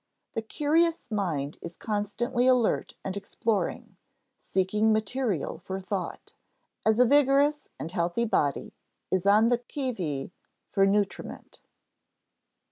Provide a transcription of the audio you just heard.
The curious mind is constantly alert and exploring, seeking material for thought, as a vigorous and healthy body is on the qui vive for nutriment.